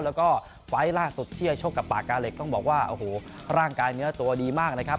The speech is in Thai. แล้วก็ไฟล์ล่าสุดที่จะชกกับปากกาเหล็กต้องบอกว่าโอ้โหร่างกายเนื้อตัวดีมากนะครับ